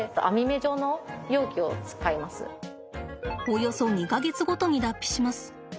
およそ２か月ごとに脱皮します。